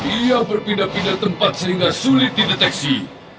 ia berpindah pindah tempat sehingga sulit dideteksi